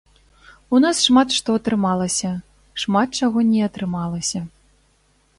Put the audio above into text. У нас шмат што атрымалася, шмат чаго не атрымалася.